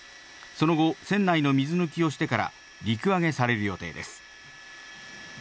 その後、船内の水抜きをしてから陸揚げされる予定です。